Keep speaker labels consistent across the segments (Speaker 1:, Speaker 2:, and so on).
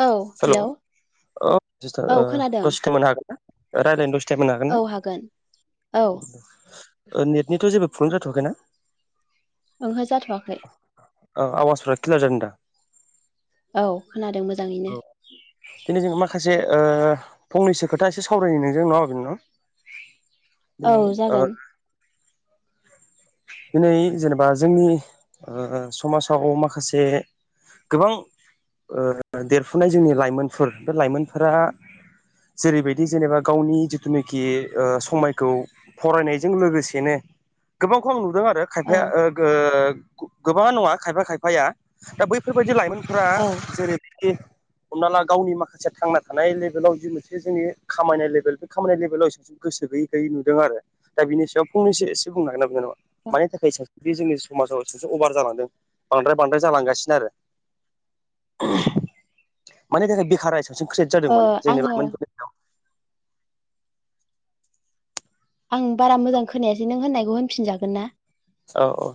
Speaker 1: औ
Speaker 2: hello
Speaker 1: hello
Speaker 2: और मिसथार ओ
Speaker 1: औ खोनादों
Speaker 2: दसे थायम होनो‌ हागोन ना रायल्लायनो दसे [unintelligible] सिटाइ मोननो हागोन
Speaker 1: औ
Speaker 2: ना नेटनिथ जेबो प्रब्लेम जाथवाखैना
Speaker 1: ओंहाय जाथवाखै
Speaker 2: आवाज फोरा किलार जादोंदा
Speaker 1: औ खोनादों मोजाङैनो
Speaker 2: औ दिनै जों माखासे फंनैसो खोथा एसे सावरायनो नोंजों ना आंजों ना
Speaker 1: औ जागोन
Speaker 2: दिनै जेनेबा जोंनि समाजाव माखासे गोबां देरफुनाय जोंनि लाइमोनफोर बे लाइमोनफोरा जेरैबायदि जेनेबा गावनि जिथुनाखि समायखौ फरायनायजों लोगोसेनो
Speaker 1: [unintelligible] [inaudible]
Speaker 2: गोबांखौ आं नुदों आरो
Speaker 1: औ
Speaker 2: खायफाया ओगो गोबाङा नङा खायफा खायफाया दा बैफोरबायदि लाइमोनफोरा
Speaker 1: औ
Speaker 2: जेरैखि हमना ला गावनि माखासे थांना थानाय लेभेलाव जि मोनसे जोंनि खामायनाय लेभेल बे खामायनाय लेभेलाव एसेब गोसो गैयै गैयै नुदों आरो दा बिनि सायाव फंनैसो एसे बुंनाहोना बिनानावा मानि थाखाय स बे जोंनि समाजाव सबसे अभार जालांदों बांद्राय बांद्राय जालांगासिनो आरो माने थाखाय बिखारारा एसे बांसिन क्रिेट जादों
Speaker 1: ओ
Speaker 2: माने जोंनि
Speaker 1: आङो
Speaker 2: लाइमोन फोरनि मादाव
Speaker 1: आं बारा मोजां खोनायासै नों होननायखौ होनफिनजागोन ना
Speaker 2: औ औ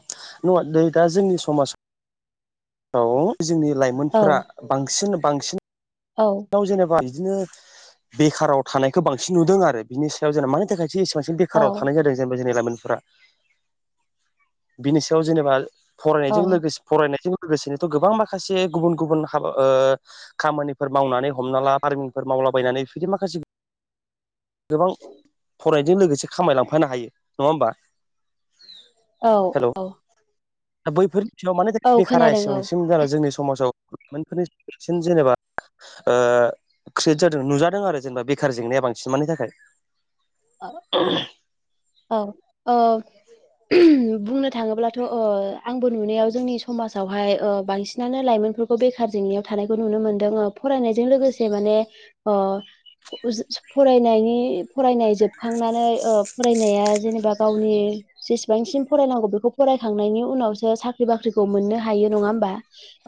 Speaker 2: नङा दै दा जोंनि समाजाव औ जोंनि
Speaker 1: औ
Speaker 2: लाइमोनफोरा बांसिन बांसिन
Speaker 1: औ
Speaker 2: जेनेबा बिदिनो बेखाराव थानायखौ बांसिन नुदों आरो बिनि सायाव जेनेबा मानि थाखायसो बांसिन
Speaker 1: औ
Speaker 2: बेखाराव थानाय जादों जेनेबा जोंनि लाइमोनफोरा बिनि सायाव जेनेबा
Speaker 1: औ
Speaker 2: फरायनायजों फरायनायजों लोगोसेनोथ' गोबां माखासे गुबुन गुबुन हाबा खामानि फोर मावनानै हमना ला पारमिनफोर मावलाबायनानै बिदि माखासे गोबां फरायनायजों लोगोसे खामायलांफानो हायो नङा होमबा
Speaker 1: औ
Speaker 2: हेल'
Speaker 1: औ
Speaker 2: दा बैफोरनि सायाव माने थाखाय
Speaker 1: औ
Speaker 2: बेखारा
Speaker 1: खोनादों
Speaker 2: एसेबांसिम जाना जोंनि स समाजाव लाफोरनि बांसिन जेनेबा ओ क्रियेट जादों नुजादों आरो जेनेबा बे गोखार जेंनाया बांसिन मानि थाखाय
Speaker 1: औ ओ बुंनो थाङोब्लाथ' अ आं बो नुनायाव जोंनि समाजावहाय बांसिनानो लाइमोनफोरखौ बेखार जेंनायाव थानायखौ नुनो मोनदों ओ फराय नाइजों लोगोसे माने ओ फरायनाइनि फरायनाइजों खांनानै ओब फरायनाया जेनेबा गावनि जेसेबांसिम फरायनांगौ बेखौ फरायखांनायनि उनावसो साख्रि बाख्रि मोननो हायो नङा होनबा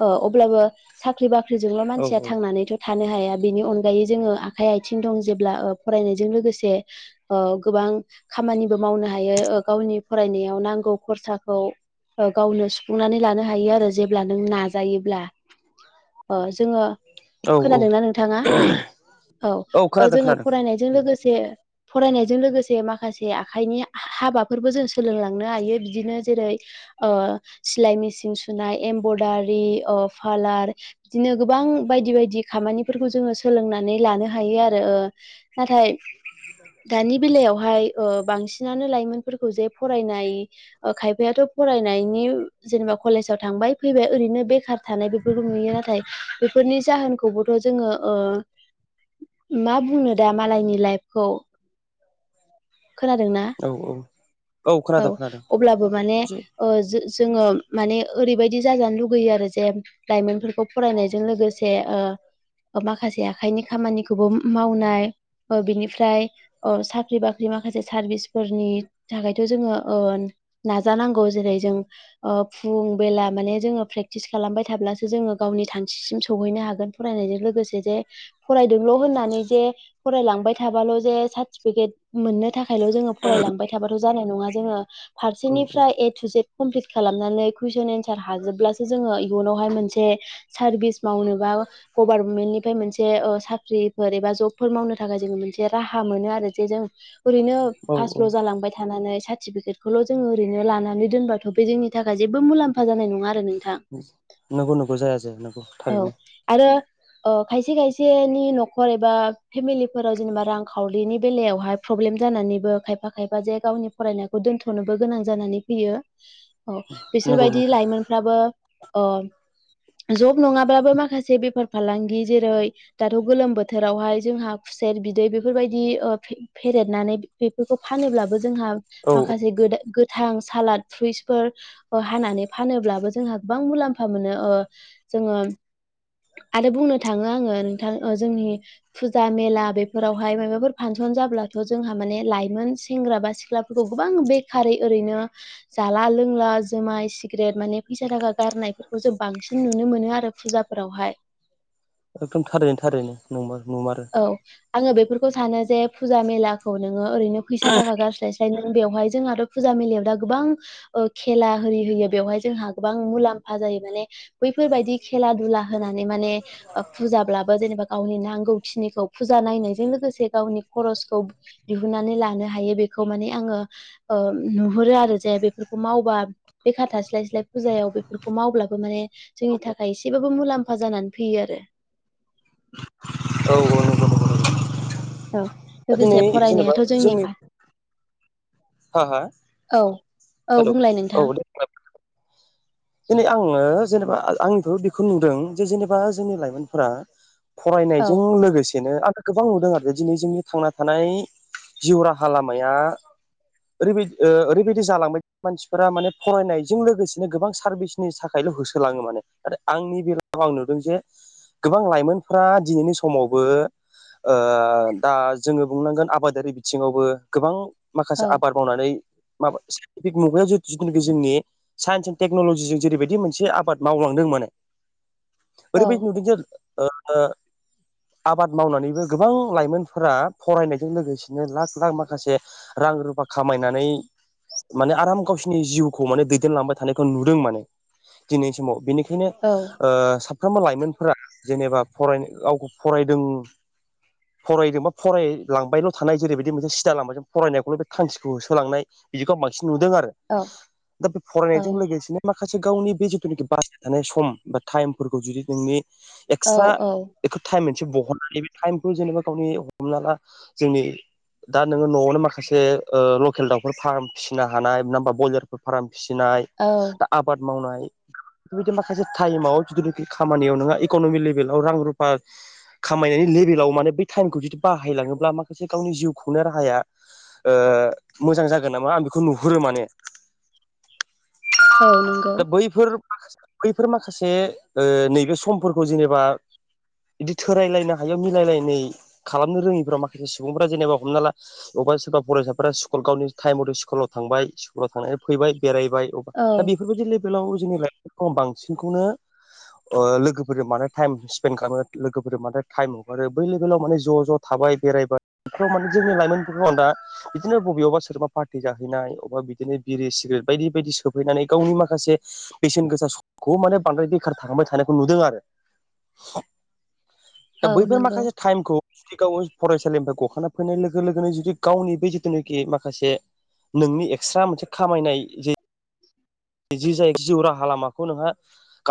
Speaker 1: ओ अब्लाबो साख्रि बा ख्रिजोंल'
Speaker 2: औ
Speaker 1: मानसिया
Speaker 2: औ
Speaker 1: थांनानैथ' थानो हाया बेनि अनगायै जोङो आखाइ आथिं दं जेब्ला ओ फरायनायजों लोगोसे ओ गोबां खामानिबो मावनो हायो ओ गावनि फरायनायाव नांगौ खरसाखौ ओ गावनो सुफुंनानै लानो हायो आरो जेब्ला नों नाजायोब्ला ओ जोङो
Speaker 2: औ औ
Speaker 1: खोनादोंना नोंथाङा औ
Speaker 2: खोनादों
Speaker 1: ओजोङो
Speaker 2: खोनादों
Speaker 1: फरायनायजों लोगोसे फरायनायजों लोगोसे माखासे आखाइनि हा-हाबाफोरबो जों सोलोंलांनो हायो बिदिनो जेरै ओ सिलाय मेसिन सुनाय एमब्रदारि पालार बिदिनो गोबां बायदि बायदि खामानिफोरखौ जोङो सोलोंनानै लानो हायो आरो ओ नाथाय दानि बेलायावहाय ओ बांसिनानो लाइमोनफोरखौ जे फरायनाय ओ खायफायाथ' फराय नायनि जेनेबा कलेजाव थांबाय फैबाय ओरैनो बेखार थानाय बेफोरखौ नुयो नाथाय बेफोरनि जाहोनखौबोथ' जोङो ओ मा बुंनो दा मालायनि लाइफखौ खोनादोंना
Speaker 2: औ औ
Speaker 1: औ
Speaker 2: खोनादों खोनादों
Speaker 1: अब्लाबो माने
Speaker 2: एसे
Speaker 1: अ जो जो जोङो माने ओरैबायदि जाजानो लुगैयो आरो जे लाइमोनफोर फरायनायजों लोगोसे ओ ओमाखासे आखाइनि खामानिखौबो मावनाय ओ बिनिफ्राय अ साख्रि बा जे माखासे सारभिसफोरनि थाखायथ' जोङो ओन नाजानांगौ जेरै जों ओ फुं बेला माने जोङो प्रेक्टिस खालामबाय थाब्लासो जोङो गावनि थांखिसिम सौहैनो हागोन फरायनायजों लोगोसे जे फरायदोंल' होननानै जे फरायलांबाय थाबाल' जे सार्टिफिकेट मोननो थाखायल' जोङो फरायलांबाय थाबाथ' जानाय नङा जोङो
Speaker 2: औ
Speaker 1: फारसेनिफ्राय
Speaker 2: औ
Speaker 1: ए टु जेद कमप्लिट खालामनानै कुइसन एनसार हाजोबब्लासो जोङो इयुनावहाय मोनसे सारभिस मावनोबा गभारनमेन्टनि फ्राय मोनसे साख्रिफोर एबा जबफोर मावनो थाखाय जोङो मोनसे राहा मोनो आरो जे जों ओरैनो
Speaker 2: औ औ
Speaker 1: पासल' जालांबाय थानानै सा सार्टिफिकेटखौल' जोङो ओरैनो लानानै दोनबाथ' बे जोंनि थाखाय जेबो मुलाम्फा जानाय नङा आरो नों
Speaker 2: नंगौ नंगौ जाया जाया नंगौ
Speaker 1: औ
Speaker 2: थारैनो
Speaker 1: आरो
Speaker 2: ।
Speaker 1: ओ खायसे खायसेनि न'खर एबा फेमिलिफोराव जेनेबा रांखावरिनि बेलायावहाय प्रब्लेम जानानैबो खायफा खायफा जे गावनि फरायनायखौ दोनथ'नोबो गोनां जानानै फैयो औ
Speaker 2: नंगौ
Speaker 1: बिसोरबायायदि
Speaker 2: नंगौ
Speaker 1: लाइमोनफ्राबो जब नङाब्लाबो माखासे बेफार फालांगि जेरै दाथ' गोलोम बोथोरावहाय जोंहा सेर बिदै बेफोरबायदि फेरेदनानै बेफोरखौ फानोब्लाबो जोंहा
Speaker 2: औ
Speaker 1: माखासे गोद थां सालाद फ्रुइसफोर हानानै फानोब्लाबो जोंहा गोबां मुलाम्फा मोनो ओ जोङो आरो बुंनो थाङो आङो नोंथां जोंनि फुजा मेला बेफोरावहाय माबाफोर फानसन जाब्ला जोंहा माने लाइमोन सेंग्रा बा सिख्लाफोरखौ गोबां बेखारै ओरैनो जाला लोंला जुमाय सिग्रेट माने फैसा थाखा गारनायफोरखौ जों बांसिन नुनो मोनो आरो फुजाफोरावहाय [inaudible]
Speaker 2: एकदम थारैनो थारैनो नोंमार
Speaker 1: औ आङो बेफोरखौ सानो जे फुजा मेलाखौ नोङो ओरैनो फैसा थाखा गारस्लायस्लायनो बेवहाय जोंहाथ' फुजा मेलायाव दा गोबां खेला हि होयो बेवहाय जोंहा गोबां मुलाम्फा जा जायो नालाय बैफोरबायदि खेला दुला होनानै माने फुजाब्लाबो जेनेबा गावनि नांगौ खिनिखौ फुजा नायनायजों लोगोसे गावनि खरसखौ दिहुननानै लानो हायो बेखौ माने आङो ओ नुहुरो आरो जे बेफोरखौ मावबा बेखार थास्लाय स्लाय फुजायाव बेफोरखौ मावब्ला
Speaker 2: औ
Speaker 1: जोंनि थाखायसेब मुलाम जानानै फैयो आरो
Speaker 2: औ नंगौ नंगौ नंगौ
Speaker 1: औ
Speaker 2: दिनै
Speaker 1: लोगोसे
Speaker 2: जेनेबा
Speaker 1: फरायनायाथ' जोंनि
Speaker 2: ह ह
Speaker 1: औ
Speaker 2: हेल'
Speaker 1: बुंलाय
Speaker 2: औ
Speaker 1: नोंथां
Speaker 2: दे दिनै आङो जेनेबा आंथ' बेखौ नुदों जे जेनेबा जोंनि लाइमोनफोरा
Speaker 1: औ
Speaker 2: फरायनायजों लोगोसेनो आं गोबां नुदों आरो दिनै जोंनि थांना थानाय जिउ राहा लामाया ओरैबायदि ओरैबायदि जालांबाय मानसिफोरा माने फरायनायजों लोगोसेनो गोबां सारभिसनि थाखायल' होसोलाङो माने आरो आंनि बेल लायाव आं नुदों जे गोबां लाइमोनफ्रा दिनैनि समावबो ओ दा जोङो बुंनांगोन आबादारि बिथिङावबो गोबां माखासे
Speaker 1: औ
Speaker 2: आबाद मावनानै माबा मुगायाव जथुखि जोंनि साइन्स एन् टेक्न'लजि जजों जेरैबायदि मोनसेबाद मावलांदों माने
Speaker 1: [inaudible]
Speaker 2: एरै
Speaker 1: औ
Speaker 2: बादि नुदों जे ओ आबाद मावनानैबो गोबां लाइमोनफोरा फरायनायजों लोगोसेनो लाख लाख माखासे रां रुफा खामायनानै
Speaker 1: [inaudible]
Speaker 2: माने आराम गावसिनि जिउखौ माने दैदेनलांबाय थानायखौ नुदों माने दिनैनि समाव बेनि बेखायनो
Speaker 1: औ
Speaker 2: साफ्रोमबो लाइमोनफोरा जेनेबा फराय गावखौ फरायदों फरायदोंबा फरायलांबायल' थानाय जेरैबायदि मोनसे सिदा लामाजों फरायनायखौल' बे थांखिखौ होसोलांनाय बिदिखौ बां नुदों आरो
Speaker 1: औ
Speaker 2: दा
Speaker 1: औ
Speaker 2: फरायनायजों लोगोसेनो मा खासे गावनि बे जिथुनाखि बासायना थानाय सम बा टाइमफोरखौ जुदि नोंनि
Speaker 1: औ
Speaker 2: एक्सट्रा
Speaker 1: औ
Speaker 2: बे टाइम मोनसे बहन नैबे टाइमखौ जेनेबा गावनि हमना ला जोंनि दा नोङो न'आवनो माखासे ओ लकेल दाउफोर फार्म फिसिनो हानाय नङा होमबा बयलारफोर फार्म फिसिनाय
Speaker 1: औ
Speaker 2: दा आबाद मावनाय। बेबायदि माखासे टाइमाव जिथुनाखि खामानियाव नोंङा इक'नमिक लेभेलाव रां रुफा खामायनायनि लेभेलाव माने बेै टाइमखौ जुदि बाहायलाङोब्ला माखासे गावनि जिउ खुंनाय राहाया ओ मोजां जागोन नामा आं बेखौ नुहुरो माने।
Speaker 1: औ नोंगौ।
Speaker 2: दा बैफोर बैफोर माखासे ओ नैबे समफोरखौ जेनेबा बिदि थोरायलायनो हायो मिलायलायनाय खालामनो रोङिफाव माखासे सुबुंफ्रा जेनेबा हमना ला अबा सोरबा फरायसाफोरा स्कुल गावनि टाइमथे स्कुलाव थांबाय स्कुलाव थांनानै फैबाय बेरायबाय।
Speaker 1: औ
Speaker 2: दा बेफोरबायदि बेलाव जोंनि लाइपफोरखौ बांसिनखौनो अ लोगोफोरजों मानो टाइम स्पेन्ड खालामो लोगोफोरजों माने टाइम हगारो बै लेभलाव माने ज' ज' थाब जाबाय बेरायबाय बेफोराव माने जोंनि लाइमोनफोरखौ आं दा बिदिनो बबेयावबा सोरबा पार्टि जाहै नाय अबा बिदिनो बिरि सिग्रेट बायदि बायदि सफैनानै गावनि माखासे बेसेन गोसा समखौ माने बांद्राय बेखार थांबाय थानायखौ नुदों आरो। दा
Speaker 1: औ
Speaker 2: बैफोर
Speaker 1: नंगौ
Speaker 2: माखासे टाइमखौ जुदि गाव फरायसालिनिफ्राय गखांना फैनाय लोगो लोगोनो जुदि गावनि बे जिथुनाखि माखासे नोंनि एक्सट्रा मोनसे खामायनाय जे जि जाय जिउ राहा लामाखौ नोंहा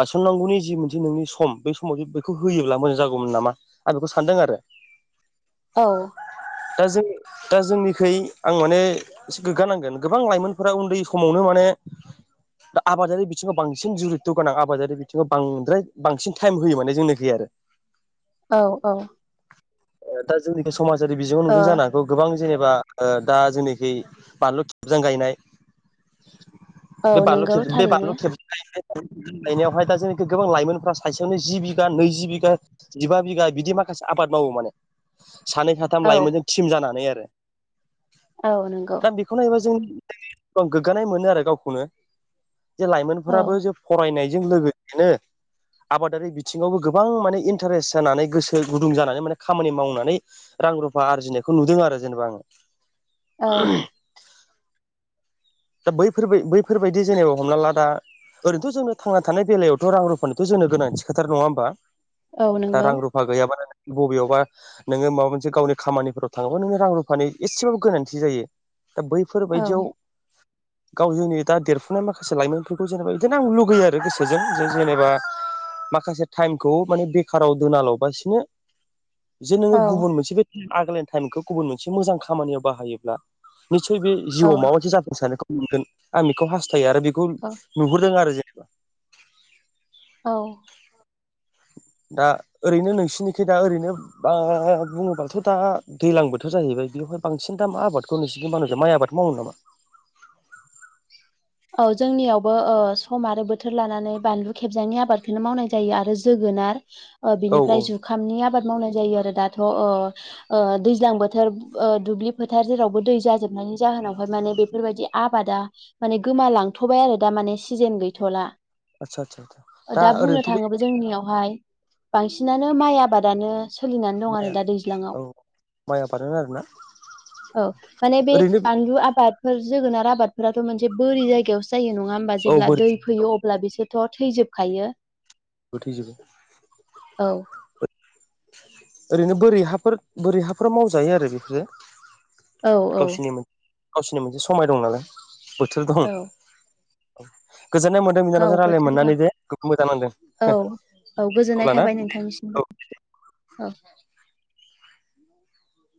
Speaker 2: गायसननांगौनि जि मोनसे नोंनि सम बे समाव जे बेखौ होयो योब्ला मोजां जागौमोन नामा आं बेखौ सानदों आरो।
Speaker 1: औ।
Speaker 2: दा जों दा जोंनिखै आं माने एसे गोग्गानांगोन गोबां लाइमोनफोरा उन्दै समावनो माने
Speaker 1: [inaudible]
Speaker 2: दा आबादारि बिथिङाव बांसिन जुरित्त' गोनां आबादारि बिथिङाव बांद्राय बांसिन टाइम होयो माने जोंनिखै आरो।
Speaker 1: औ औ।
Speaker 2: दा जोंनिखौ समाजारि बिजोङाव
Speaker 1: ओ
Speaker 2: नुदों जानो हागौ गोबां जेने बा दा जोंनिखै बानलु थुबजां गायनाय।
Speaker 1: औ
Speaker 2: बे बानलु
Speaker 1: नंगौ
Speaker 2: खेब बे
Speaker 1: थारैनो
Speaker 2: बानलु खेब गायनायावहाय दा जोंनिखै गोबां लाइमोनफ्रा साइसेयावनो जि बिघा नैजि बिगा जिबा बिघा बिदि माखा खासे आफाद मावो माने।
Speaker 1: [inaudible]
Speaker 2: सानै साथाम
Speaker 1: औ
Speaker 2: लाइमोनजों टिम जानानै आरो।
Speaker 1: औ नंगौ
Speaker 2: दा बेखौ नायोबा जों एब गोग्गानाय मोनो आरो गावखौनो। जे
Speaker 1: औ
Speaker 2: लाइमोनफोराबो जे फरायनायजों लोगोसेनो आबादारि बिथिङावबो गोबां माने इन्टारेस्ट जानानै गोसो गुदुं जानानै माने खामानि मावनानै रां रुफा आरजिनायखौ नुदों आरो जेनेबा आङो।
Speaker 1: औ।
Speaker 2: दा बैफोर बैफोरबायदि जेनेबा हमना ला दा ओरैनो'थ जोनो थांना थानाय बेलायावथ' रां रुफानिथ' जोंनो गोनांथि खाथार नङा होमबा।
Speaker 1: औ
Speaker 2: दा
Speaker 1: नंगौ
Speaker 2: रां रुफा गैयाबानो बबेयावबा नोङो माबा मोनसे गावनि खामानिफोराव थाङोबा रां रुफानि एसेबाबो गोनांथि जायो। दा
Speaker 1: औ
Speaker 2: बैफोरबायदियाव गाव गावनि दा देरफुनाय माखासे लाइमोनफोरखौ जेनेबा बिदिनो आं लुगैयो आरो गोसोजों जे जेनेबा माखासे टाइमखौ माने बेखाराव दोनाल'बासिनो जे नोङो गुबुन मोनसे बे आगोलनि टाइमखौ गुबुन मोनसे मोजां खामानियाव बाहायोब्ला निस्सय बे
Speaker 1: औ
Speaker 2: जिउआव माबा मोनसे जाफुंसारनायखौ मोनगोन आं बेखौ हास्थायो आरो बेखौ नुहुरदों आरो जों। [unintelligible]
Speaker 1: औ। [inaudible]
Speaker 2: दा ओरैनो नोंसोरनिखै दा ओरैनो बा बुङोब्लााथ' दा दैज्लां बोथोर जाहैबाय। बांसिन दा आबादखौ नोंसिनिथिं माय आबादखौ मावो नामा?
Speaker 1: [unintelligible] औ जोंनियावबो ओ सम आरो बोथोर लानानै बानलु खेबजांनि आबादखौनो मावनाय जायो आरो जोगो नार ओ
Speaker 2: औ
Speaker 1: बेनिफ्राय
Speaker 2: औ
Speaker 1: जुंखामनि नि आबाद मावनाय जायो आरो दाथ' अ ओ दैज्लां बोथोर ओ दुब्लि फोथार जेरावबो दै जाजोबनानै नि जाहोनावहाय माने बेफोरबायदि आबादा माने गोमालांथ'बाय आरो दा माने सिजेन गैथ'ला।
Speaker 2: आदसा आदसा आदसा
Speaker 1: दा बुंनो
Speaker 2: ओरैनोथ' बे
Speaker 1: थाङोबो जोंनियाव बेहाय बांसिनानो माइ आबादानो सोलिनानै दं आरो
Speaker 2: माइआ
Speaker 1: दा दैज्लाङआव।
Speaker 2: औ माइ आबादानो आरोना
Speaker 1: औ माने बे
Speaker 2: ओरैनो
Speaker 1: बानलु आबाद फोर जोगोनार आबादफोराथ' मोनसे बोरि जायगायावसो जायो नङा होमबा
Speaker 2: औ
Speaker 1: जेब्ला
Speaker 2: बोरै
Speaker 1: दै फैयो अब्ला बिसोर थ' थैजोबखायो।
Speaker 2: गोथै जोबो ।
Speaker 1: औ।
Speaker 2: ओरैनो बोरै हाफोर बोरै हाफोर मावजायो आरो बेफोरो।
Speaker 1: औ औ।
Speaker 2: गावसोरनि मोनसे समाय दं नालाय बोथोर दं।
Speaker 1: औ
Speaker 2: गोजोननाय मोनदों
Speaker 1: गाव
Speaker 2: बिनानावजों रायज्लाय
Speaker 1: बोथोर गाव
Speaker 2: मोननानै दे जोबोर मोजां नांदों।
Speaker 1: औ औ गोजोननाय
Speaker 2: अब्लाना
Speaker 1: थाबाय नोंथांनिसिमबो। औ।